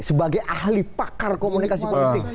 sebagai ahli pakar komunikasi politik